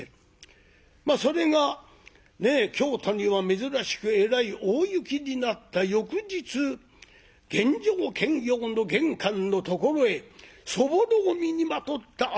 それがねえ京都には珍しくえらい大雪になった翌日玄城検校の玄関のところへそぼろを身にまとったあの若蔵が。